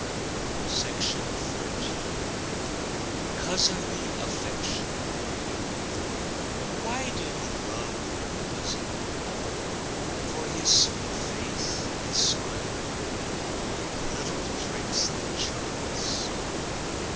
COUSINLY AFFECTION Why do you love your Cousin Paull? For his sweet face, his smile, and all The little tricks that charm us so?